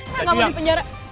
saya nggak mau dipenjara